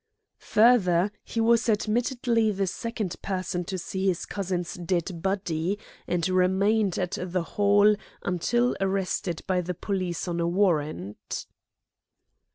"Further, he was admittedly the second person to see his cousin's dead body, and remained at the Hall until arrested by the police on a warrant."